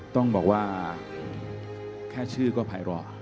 ต้องบอกว่าแค่ชื่อก็ภายรอ